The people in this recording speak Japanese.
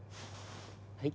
はい？